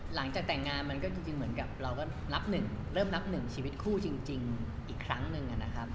หลังจากแต่งงานเริ่มก็เริ่มรับหนึ่งชีวิตคู่อีกครั้งหนึ่ง